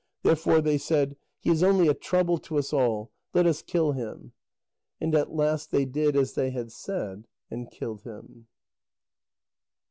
Therefore they said: "He is only a trouble to us all: let us kill him." And at last they did as they had said, and killed him.